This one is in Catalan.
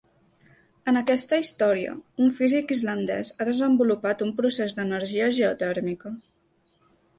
En aquesta història, un físic islandès ha desenvolupat un procés d'energia geotèrmica.